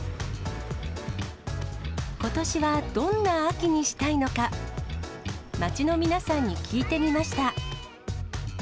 ことしはどんな秋にしたいのか、街の皆さんに聞いてみました。